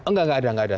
enggak enggak ada